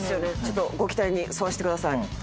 ちょっとご期待に沿わしてください。